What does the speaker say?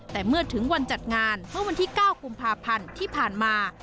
แต่เมื่อถึงวันจัดงานเมื่อวันที่๙กุมภาพันธ์ที่ผ่านมา